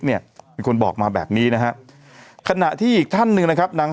เนี่ยเป็นคนบอกมาแบบนี้นะฮะขณะที่อีกท่านหนึ่งนะครับนาง